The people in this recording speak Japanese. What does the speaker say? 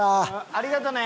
ありがとうね！